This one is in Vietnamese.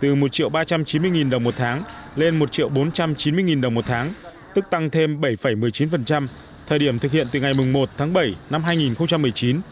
từ một ba trăm chín mươi đồng một tháng lên một bốn trăm chín mươi đồng một tháng tức tăng thêm bảy một mươi chín thời điểm thực hiện từ ngày một tháng bảy năm hai nghìn một mươi chín